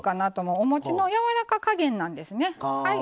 おもちのやわらか加減なんですね。